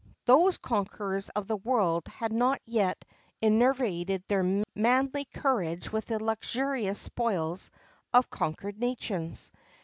[XXVII 20] Those conquerors of the world had not yet enervated their manly courage with the luxurious spoils of conquered nations.